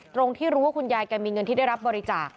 ตรงที่รู้ว่าคุณยายแกมีเงินที่ได้รับบริจาค